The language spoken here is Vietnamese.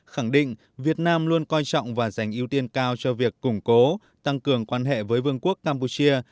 khẳng định việt nam luôn coi trọng và dành ưu tiên cao cho việc củng cố tăng cường quan hệ với vương quốc campuchia